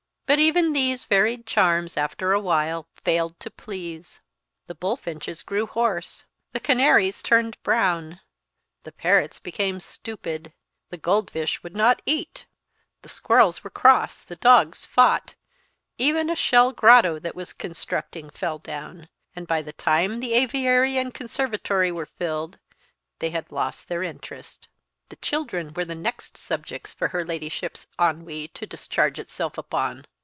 But even these varied charms, after a while, failed to please. The bullfinches grew hoarse; the canaries turned brown; the parrots became stupid; the gold fish would not eat; the squirrels were cross; the dogs fought; even a shell grotto that was constructing fell down; and by the time the aviary and conservatory were filled, they had lost their interest. The children were the next subjects for her Ladyship's ennui to discharge itself upon.